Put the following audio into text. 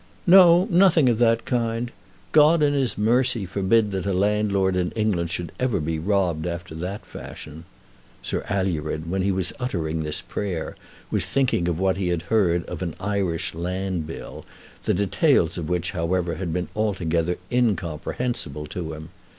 "No; nothing of that kind. God in his mercy forbid that a landlord in England should ever be robbed after that fashion." Sir Alured, when he was uttering this prayer, was thinking of what he had heard of an Irish Land Bill, the details of which, however, had been altogether incomprehensible to him.